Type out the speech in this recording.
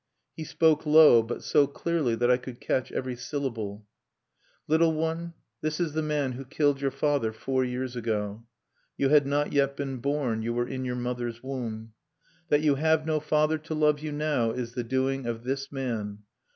He spoke low, but so clearly that I could catch every syllable: "Little one, this is the man who killed your father four years ago. You had not yet been born; you were in your mother's womb. That you have no father to love you now is the doing of this man.